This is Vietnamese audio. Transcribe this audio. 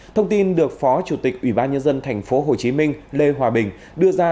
thông tin được phó chủ tịch ủy ban nhân dân thành phố hồ chí minh lê hòa bình đưa ra